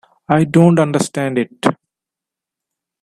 I don't understand it.